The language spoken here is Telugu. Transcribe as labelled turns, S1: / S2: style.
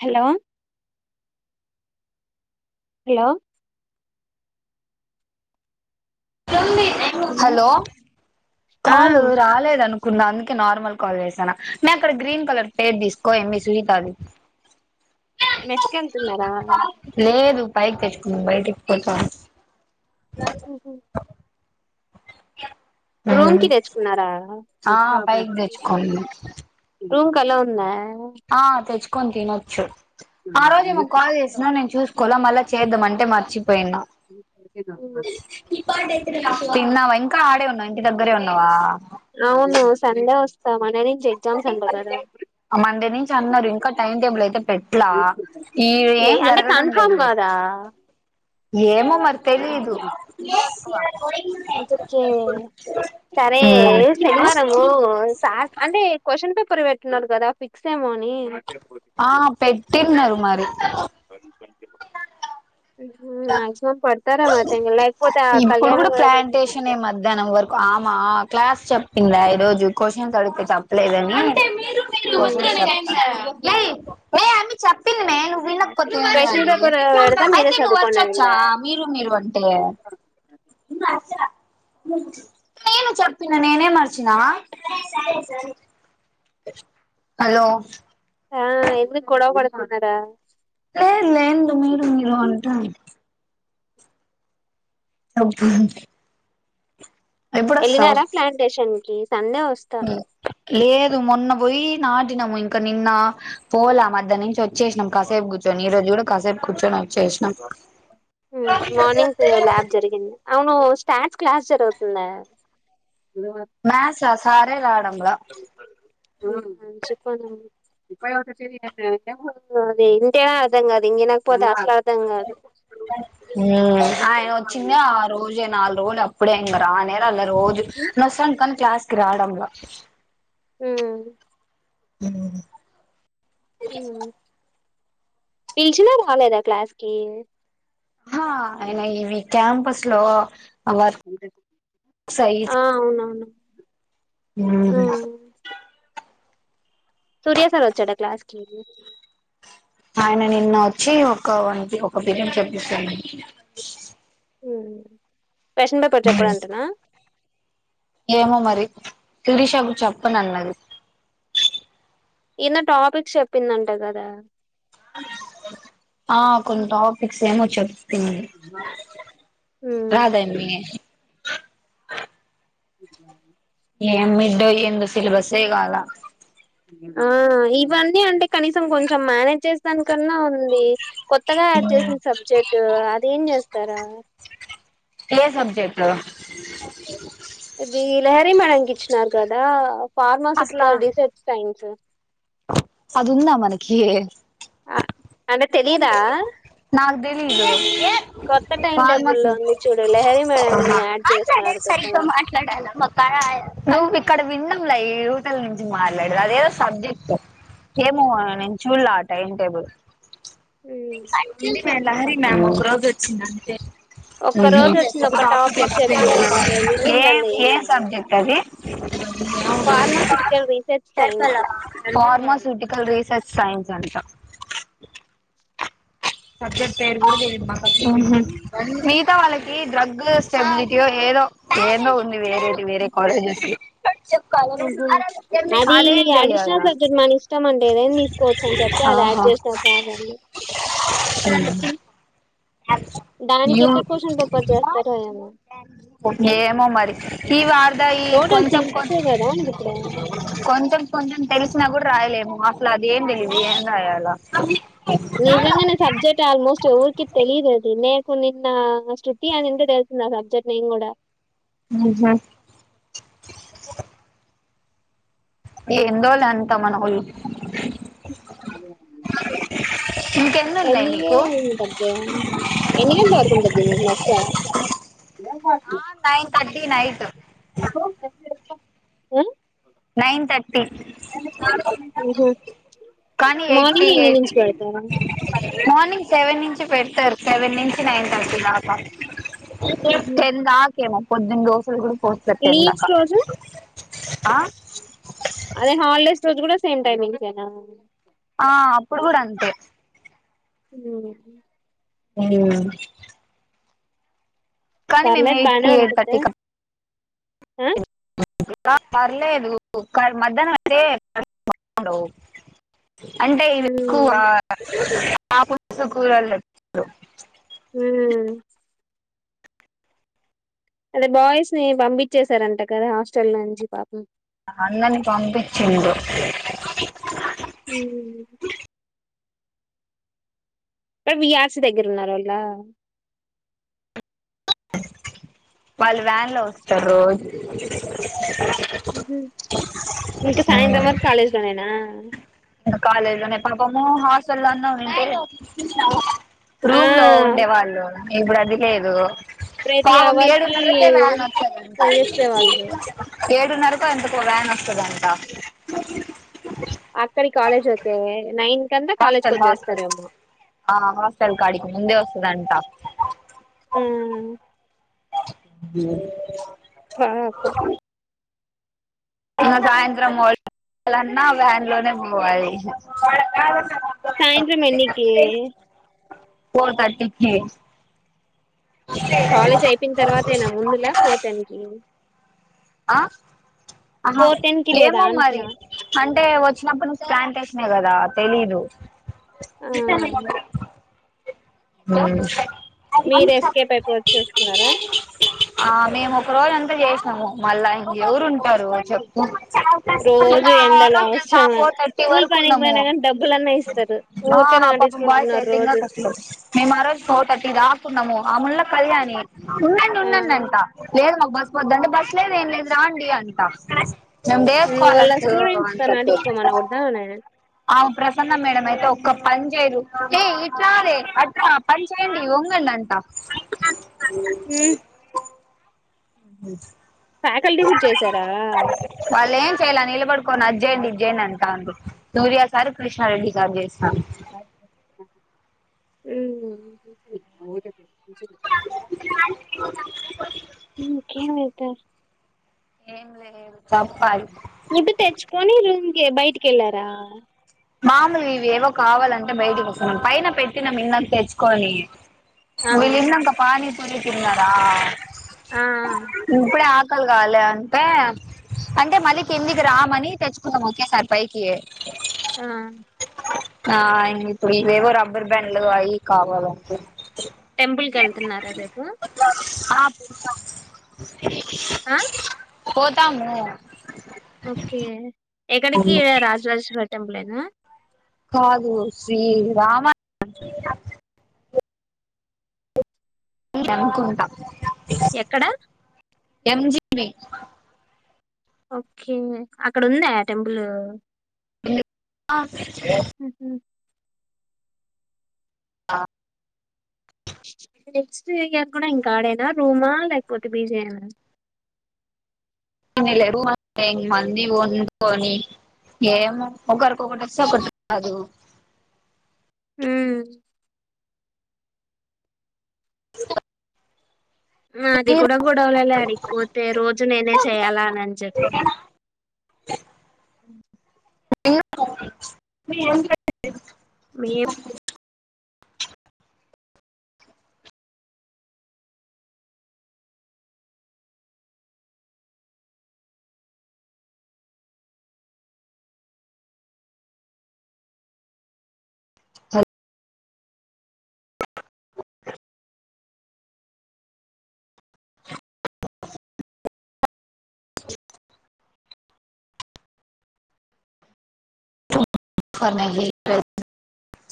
S1: హలో హలో
S2: హలో
S1: ఆ
S2: కాలు రాలేద అనుకున్న అందుకే నార్మల్ కాల్ చేసాను నే అక్కడ గ్రీన్ కలర్ పేర్ తీసుకో ఎం మీ సునీత అది
S1: మెస్క వెలితున్నారా
S2: బైక్ తెచ్చుకు బయటకి పోత
S1: ఉహ రూమ్ కి తెచ్చుకున్నారా
S2: ఆ పైకి తెచ్చుకోండి
S1: రూమ్ కలా ఉందా
S2: ఆ తెచ్చుకొని తినొచ్చు ఆ రోజు మాకు కాల్ చేసినవ్ నేను చూసుకు కోల మళ్ళ చేద్దాం అంటే మర్చిపోయినా తిన్నావా ఇంకా ఆడే ఉన్నావా ఇంటి దగ్గరే ఉన్నావా
S1: స మం డే నుంచి ఎగ్జామ్స్ అంటకదా
S2: మండే నుంచి అన్నారు ఇంకా టైం టేబుల్ అయితే పెట్లా ఈ
S1: లే
S2: ఏం
S1: అంటే
S2: జరగడం
S1: కన్ఫమ్
S2: లేదులే
S1: కదా ఆ
S2: ఏమో మరి తెలీదు
S1: రే సరే శనివారము సార్ అంటే క్వశ్చన్ పేపర్ పర్ పెట్టినారు కదా ఫిక్స్ ఏమో అని
S2: ఆ పెట్టిన్నరు మరి
S1: మాక్సిమం ప
S2: ఇప్పుడు కూడ
S1: మేడం ఎందుకు
S2: ప్లాంటేషన్ ఏ మధ్యాహ్నం వరకు ఆమా ఆ క్లాస్ చెప్పిందా ఈ రోజు క్వశ్చన్స్ అడిగితే చేప్పలేదని మీరు మీరు
S1: అంటారు
S2: [unintelligible] చెప్పిందిమే నువ్వు వినకపోతే
S1: క్వశ్చన్ పేపర్ పెడతా మీరే
S2: అయితే నువ్వు
S1: చదువుకోండండి
S2: అర్చొచ్చా మీ మీరు మీరు అంటే నేను చెప్పిన నేనేం అరిచినా హలో
S1: ఆ ఎందుకు గొడవ పడుతున్నారా
S2: లే లే ఎందు మీరు మీరు అంటే అబ్బో అంది
S1: ఎల్లినారా ప్లాంటేషన్ కి సండే వస్తా
S2: లేదు మొన్న పోయి నాటినము ఇంకా నిన్న పోలా మధ్యాహ్ననుంచి వచ్ చేసినం కాసేపు కూర్చొని ఈ రోజు కూడా కాసేపు కూర్చొని వచ్చేసినాం
S1: మార్నింగ్స్ ల్యాబ్ జరిగింది అవును స్టాన్స్ క్లాస్ జరుగుతుంద
S2: మ్యాథ్స్ ఆ సారే రాడంల
S1: చెప్పాను ఇ అది ఇంటేనే అర్థం కాదు అది ఇంగ ఇనక పోతే అస
S2: ఆయన వచ్చింది ఆ రోజే నాలుగు రో అప్పుడే ఇంక రానే రాలా రోజు నసం కాని క్లాస్కి రావడంల
S1: హ్మ్
S2: హ్మ్
S1: పిలిచినా రాలేదా క్లాస్ కి
S2: హ ఆయన ఇవి క్యాంపస్ లో వర్క్ సై
S1: ఆ అవునవును
S2: హ్మ్
S1: సూర్యాసార్ వచ్చాడ క్లాస్కి
S2: ఆయన నిన్న వచ్చి ఒక వన్ ఒక పిరియడ్ చెప్పిసాడు
S1: క్వశ్చన్ పేపర్ చెప్పడంటనా
S2: ఏమో మరి శిరీషాకు చెప్పను అన్నాడు
S1: ఇన్న టాపిక్స్ చెప్పిందంట కదా
S2: ఆ కొన్ని టాపిక్స్ ఏమో చెప్ హ్మ్ రాదండి ఏం మిడ్డో ఎందో సిలబసే కాల
S1: ఆ ఇవన్నీ అంటే కనీసం కొంచెం మేనేజ్ చేస్తానికన్నా ఉంది కొత్తగా ఆడ్ చేసిన సబ్జెక్టు అది ఏం చేస్తారా
S2: ఏ సబ్జెక్ట్టు
S1: ఇది లహరి మేడంకి ఇచ్చినారు కదా
S2: అసలా
S1: ఫార్మాసిటికల్ రీసెర్చ్ సైన్స్
S2: అదుందా మనకి
S1: అంటే తెలిదా
S2: నాకు తెలీదు
S1: కొత్త టైం టేబుల్ లో
S2: ఫార్మసీ
S1: ఉంది చూడు లహరి మేడం ని యాడ్ చేసినరు
S2: [unintelligible] నువీ ఇక్కడ విన్నాం యూతల్ నుంచి మాట్లాడదు అదేదో సబ్జెక్ట్ ఏమో నేను చూడలా టైం టేబుల్ ఇంది మే లహరి మ్యామ్ ఒక్క రోజోచ్చిందంతే
S1: ఒక్క రోజు వచ్చింది ఒక టాపిక్ చెప్పింది అంతే
S2: ఏం
S1: మిగిలిందంతా
S2: ఏం
S1: చేయాల
S2: సబ్జెక్ట్ అది
S1: pharmaceutical research science
S2: pharmaceutical research science అంటా సబ్జెక్ట్ పేరు కూడా తెలిద్ ఉహు మిగతా వాళ్ళకి డ్రగ్ స్టెబిలిటీ ఓ ఏదో ఏదో ఉంది వేరేది వేరే కాలేజెస్ కి
S1: ఉహు అది
S2: అదేం చెయ్యాల
S1: అడిషనల్ సబ్జెక్ట్ మన ఇష్టం అంటే ఏదేనా తీసుకోచ్చు అని చెప్పి అది యాడ్ చేసినారు సార్ వాళ్ళు
S2: హ
S1: దానికినికెట్ట కోషన్ పేపర్ చేస్తారో ఎమో
S2: ఏమో మరి ఈ వర్ధా ఈ
S1: టోటల్
S2: కొంచెం కొం
S1: సిక్సే కదా మనకి ఇప్పుడు
S2: కొంచెం కొంచెం తెలిసినా కూడా రాయలేము అసలు అది ఏం తెలిదు ఏం రాయాల
S1: నిజంగానే సబ్జెక్ట్ ఆల్మోస్ట్ ఎవరికి తెలీదది నేకు నిన్న శృతి అనింటే తెలిసింది ఆ సబ్జెక్ట్ నేను కూడా
S2: ఆహా ఎందోలే అంతా మనహాల్
S1: అదే
S2: ఇంక్
S1: ఎన్ని గేల వరకు ఉంటది ఎన్ని గంటల వరకు ఉంటది నస ఏం మా
S2: టీ నైట్
S1: ఆహ్
S2: నైన్ తర్టీ
S1: ఉహు
S2: కానీ ఎయిట్ కి
S1: మార్నింగ్ ఎన్ని
S2: ఎయిట్
S1: నుంచి పెడతారు
S2: మార్నింగ్ సెవెన్ నుంచి చి పెడతారు సెవెన్ నుంచి నైన్ థర్టీ దాకా టెన్ దాకేమో పొద్దుని దోసలు కూడా పోస్తపేట్ట ఎందాక
S1: లీవ్స్ రోజు
S2: ఆ
S1: అదే హాలిడేస్ రోజు కూడా సేమ్ టైమింగ్స్సేన
S2: ఆ అప్పుడు కూడా అంతే
S1: హ్మ్
S2: హ్మ్
S1: పర్లేద్ బానే
S2: కి ఎయిట్ థర్టీ
S1: ఉంటుందా
S2: కి
S1: ఆ
S2: ఆ పర్లేదు కాని మధ్యానం అయితే [unintelligible] ఉండవు అంటే ఇవి ఎక్కువ
S1: ఉమ్
S2: అపోసూ కూరలు
S1: హ్మ్ అదే బాయ్స్ ని పంపించేసారంట కదా హాస్టల్ లో నుంచి పాపం
S2: అన్నని పంపించిండు
S1: ఉహ్ మరి విఆర్సి దగ్గర ఉన్నారా ఆళ్ళ
S2: వాళ్ళు వ్యాన్ లో వస్తారు రోజు
S1: ఉహు ఇంకా సాయంత్రం
S2: రోజు
S1: వరకు కాలేజ్లోనేనా
S2: అమ్మో హాస్టల్న్న ఉండే
S1: ఆ
S2: రూమ్ లో ఉండే వాళ్ళు ఇప్పుడు అందుకేదు
S1: ప్రతి
S2: పాపం
S1: అవర్ కి
S2: ఏడున్నూరకే వ్యాన్ వచ్చేదంట
S1: పోయొచ్చే వాళ్ళు
S2: ఏడున్నరకో ఎంతకో వ్యాన్ వస్తదంట
S1: ఆక్కది కాలేజ్ వచ్చే నైన్ కంతా కాలేజ్ కి
S2: హాస్టల్ హాస్టల్.
S1: వచ్చేస్తారేమో
S2: ఆ హాస్టల్ కాడికి ముందే వస్తదంటా
S1: మ్
S2: అ
S1: పాపం
S2: ఇక సాయంత్రం పోవాలన్నా వ్యాన్ లోనే పోవాలి.
S1: సాయంత్రం ఎన్నికి
S2: ఫోర్ థర్టీకి
S1: కాలేజ్ అయిపోయిన తర్వాతేనా ముందులా ఫోర్ టెన్కి
S2: ఆ ఆహా
S1: ఫోర్ టెన్ కి లేదా
S2: ఏమో మరి
S1: అంటున్నా
S2: అంటే వచ్చినప్పటి నుంచి ప్యాంటేశిన కదా తెలిదు.
S1: ఆ
S2: మ్.
S1: మీరు ఎస్కేప్ అయిపోయి వచ్చేస్తున్నారా
S2: ఆ మేము ఒక రోజంతా చేసి నము. మళ్ళా ఇంకేవురు ఉంటారు చెప్పు
S1: రోజు
S2: ఇంకా ఆ
S1: ఎండలు
S2: రోజు తెలుసా
S1: అవసరమ
S2: ఫోర్ థర్టీ
S1: కూల్
S2: వరకు
S1: పనికి
S2: ఉన్నాము
S1: పోయినా కానీ డబ్బులన్నా ఇస్తారు ఊర్
S2: ఆ పాపం బాయ్స్ అయితే ఇంగా కష్టం. మే మారోజు ఫోర్తర్టీ దాకున్నాము ఆమూళ్ళ కళ్యాణి ని ఉన్నండి
S1: ఆ
S2: ఉన్నండంట లేదు మాక్ బస్ వద్ద అంటే బస్ లేదు ఏం లేదు రాండి అంట మేమ్
S1: వాళ్ళ
S2: డేస్స్కాలర్స్
S1: స్టూడెంట్స్
S2: అని
S1: తో
S2: చెప్పు
S1: నాటించుకోమనకూడదా
S2: ఆమే ప్రసన్న మేడమయితే ఒక్క పన్ చేయదు. హేయ్ ఇట్రావే అట్ల పన్చెయండి ఒంగండంట మ్ మ్
S1: ఫ్యాకల్టీ కూడా చేసారా
S2: వాళ్ళేం చెయాల నిలబడుకోని అది చేేయండి ఇది చేయండి అంటాంది. సూర్యా సార్ కృష్ణారెడ్డి సార్ చేస్
S1: మ్. ఇంకేమి అయితే
S2: ఏం లేదు. చెప్పాలి
S1: ఫుడ్ తెచ్చుకొని రూమ్ కి బయటికెళ్ళారా
S2: మామూల్గ ఇవేవో కావాలంటే బయటకి వస్తున్నాం పైన పెట్టినం ఇందాక తెచ్చుకొని
S1: ఆ
S2: మేమెల్నంక పానీ పూరీ తిన్నారా
S1: ఆ
S2: క్కలు కాలి అంటే, అంటే మళ్ళీ కిందికి రామని తెచ్చుకుందాం ఓకేసారి పైకి
S1: ఆ
S2: ఆ ఇంగిప్పుడు ఇవేవో రబ్బర్ బ్యాండ్లు అవి కావాలంటే
S1: టెంపుల్ కి వెళ్తున్నారా రేపు
S2: ఆ పోతాం.
S1: ఆ
S2: పోతాము.
S1: ఓకే. ఎక్కడికి రాజరాజేశ్వరి టెంపులేనా
S2: కాదు శ్రీ రామాయ కన్నుకుంటా
S1: ఎక్కడ
S2: ట్వి.
S1: ఓకే. అక్కడుంద్యా టెంపుల్
S2: ఉంది. ఆ ఆ
S1: నెక్స్ట్ ఇంగ ఎక్కడో ఇంకా ఆడేనా రూమా లేకపోతే పిజీయేనా
S2: [unintelligible] మంది వొండ్కొని ఏమో ఒకరికి ఒకటొస్తే ఒకటి రాదు
S1: మ్మ్ మాది కూడా గొడవలలే అడిగిపోతే రోజు నేనే చెయాలా అని చెప్పి
S2: [unintelligible]
S1: మీ
S2: హల్ [unintelligible]